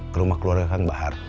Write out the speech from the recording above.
ke rumah keluarga kang bahar